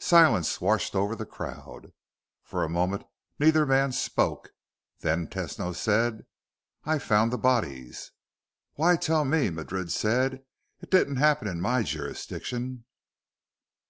Silence washed over the crowd. For a moment neither man spoke. Then Tesno said, "I found the bodies." "Why tell me?" Madrid said. "It didn't happen in my jurisdiction."